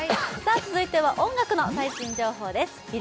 続いては音楽の最新情報です。